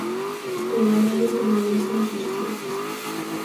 Pero Amalia permanece en sus trece.